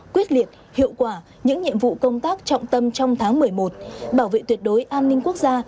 quyết liệt hiệu quả những nhiệm vụ công tác trọng tâm trong tháng một mươi một bảo vệ tuyệt đối an ninh quốc gia